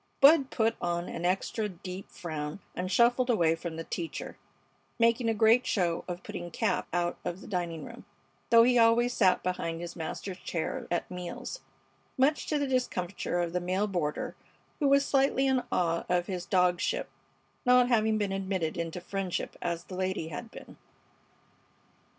Bud put on an extra deep frown and shuffled away from the teacher, making a great show of putting Cap out of the dining room, though he always sat behind his master's chair at meals, much to the discomfiture of the male boarder, who was slightly in awe of his dogship, not having been admitted into friendship as the lady had been.